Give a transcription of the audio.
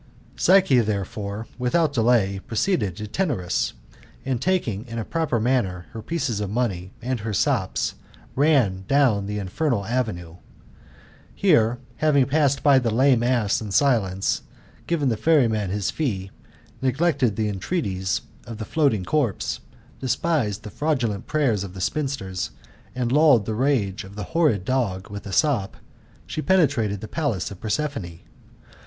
Psyche, therefore, without delay, proceeded to Tenarus, and taking in a proper manner her pieces of money and her sops, r^n down the infernal avenue. Here, having passed by the lame ass in silence, given the ferryman his fee, neglected the entreaties of the floating corpse, despised the fraudulent prayers of the spinsters, and lulled the rage of the horrid dog with a sop, she penetrated the palace of Prosperine.